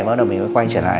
bắt đầu mình mới quay trở lại